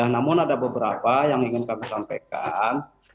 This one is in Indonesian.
namun ada beberapa yang ingin kami sampaikan